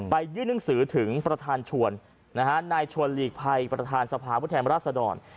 ยื่นหนังสือถึงประธานชวนนายชวนหลีกภัยประธานสภาพุทธแทนราชดร